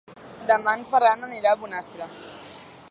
Demà en Ferran anirà a Bonastre.